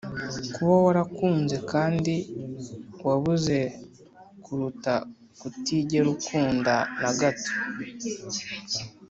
kuba warakunze kandi wabuze, kuruta kutigera ukunda na gato